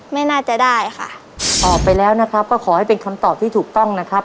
ไม่น่าจะได้ค่ะตอบไปแล้วนะครับก็ขอให้เป็นคำตอบที่ถูกต้องนะครับ